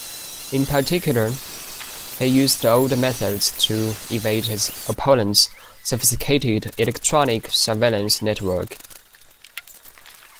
In particular, he used old methods to evade his opponent's sophisticated electronic surveillance network.